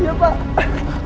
iya pak kejar pak